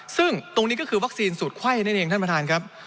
ซึ่งตรงนี้ก็คือวัคซีนสูตรไข้นั่นเองท่านประธานครับ